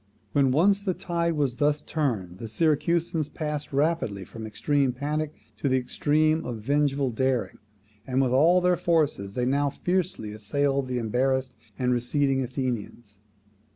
When once the tide was thus turned, the Syracusans passed rapidly from the extreme of panic to the extreme of vengeful daring, and with all their forces they now fiercely assailed the embarrassed and receding Athenians.